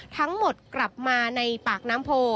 ทั้งหมดกลับมาในปากน้ำโพ